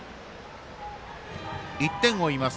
１点を追います